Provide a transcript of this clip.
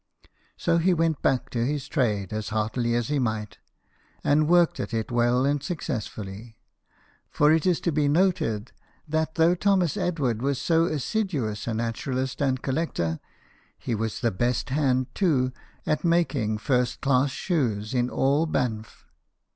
So he went: back to his trade as heartily as he might, and worked at it well and successfully. For it is to be noted, that though Thomas Edward was so assiduous a naturalist and collector, he was the best hand, too, at making first class shoes in all Banff.